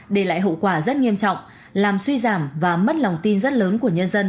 để lại hậu quả rất nghiêm trọng làm suy giảm và mất lòng tin rất lớn của nhân dân